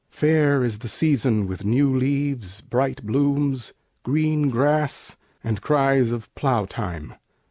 Fair is the season with new leaves, bright blooms, Green grass, and cries of plow time."